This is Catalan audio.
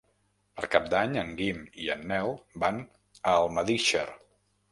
Per Cap d'Any en Guim i en Nel van a Almedíxer.